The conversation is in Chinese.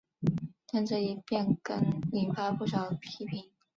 但这一变更引发不少批评。